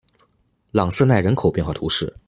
朗瑟奈人口变化图示